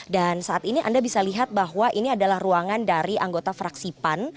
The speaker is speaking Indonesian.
dan saat ini anda bisa lihat bahwa ini adalah ruangan dari anggota fraksi pan